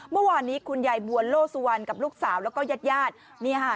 เมื่อวานนี้คุณยายบวนโลสุวรรณกับลูกสาวแล้วก็ญาติญาติ